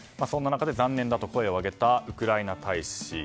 そんな中で残念だと声を上げたウクライナ大使。